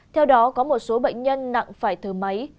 theo đó có một số bệnh nhân nặng phải thở máy